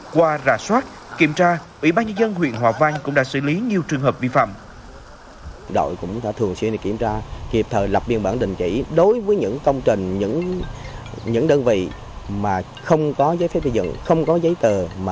qua rà soát kiểm tra ủy ban nhân dân huyện hòa vang cũng đã xử lý nhiều trường hợp vi phạm